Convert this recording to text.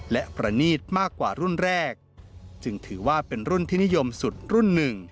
และประณีตมากกว่ารุ่นแรกจึงถือว่าเป็นรุ่นที่นิยมสุดรุ่นหนึ่ง